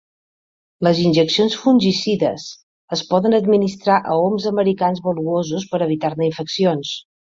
Les injeccions fungicides es poden administrar a oms americans valuosos per evitar-ne infeccions.